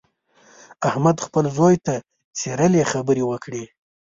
احمد خپل زوی ته څیرلې خبرې وکړې.